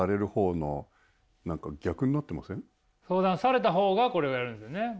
相談された方がこれをやるんですよね。